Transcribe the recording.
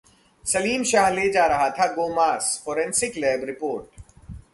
सलीम शाहा ले जा रहा था गोमांस: फॉरेंसिक लैब रिपोर्ट